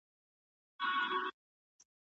ښوونځي به تر پایه پوري اصلاحات بشپړ کړي وي.